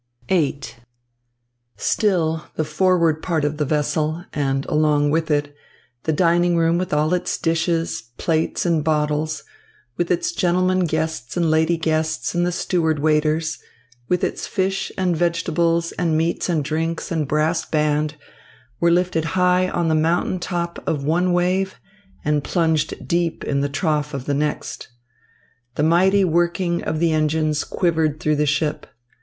VIII Still the forward part of the vessel and, along with it, the dining room with all its dishes, plates, and bottles, with its gentlemen guests and lady guests and the steward waiters, with its fish and vegetables and meats and drinks and brass band, were lifted high on the mountain top of one wave and plunged deep in the trough of the next. The mighty working of the engines quivered through the ship.